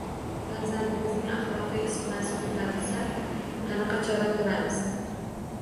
Farzandimizning axloqiy isitmasi ko‘tarilsa, qanaqa chora ko‘ramiz!